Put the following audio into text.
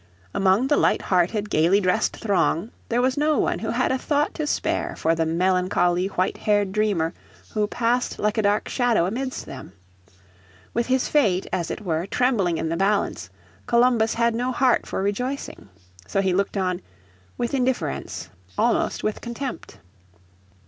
Among the light hearted, gaily dressed throng there was no one who had a thought to spare for the melancholy, white haired dreamer who passed like a dark shadow amidst them. With his fate, as it were, trembling in the balance, Columbus had no heart for rejoicing. So he looked on "with indifference, almost with contempt."